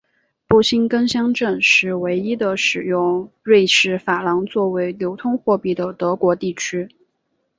布辛根乡镇是唯一的使用瑞士法郎作为流通货币的德国地区。